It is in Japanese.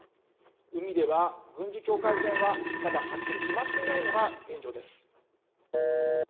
海では軍事境界線はまだはっきり決まっていないのが現状です。